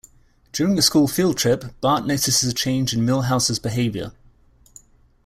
During a school field trip, Bart notices a change in Milhouse's behavior.